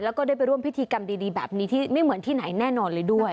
แล้วก็ได้ไปร่วมพิธีกรรมดีแบบนี้ที่ไม่เหมือนที่ไหนแน่นอนเลยด้วย